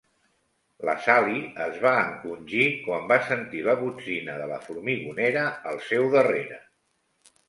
La Sally es va encongir quan va sentir la botzina de la formigonera al seu darrere.